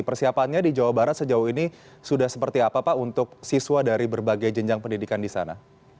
persiapannya di jawa barat sejauh ini sudah seperti apa pak untuk siswa dari berbagai jenjang pendidikan di sana